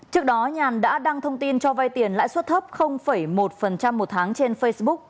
trước đó nhàn đã đăng thông tin cho vay tiền lãi suất thấp một một tháng trên facebook